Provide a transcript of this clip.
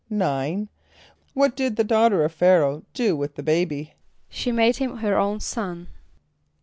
= =9.= What did the daughter of Ph[=a]´ra[=o]h do with the baby? =She made him her own son.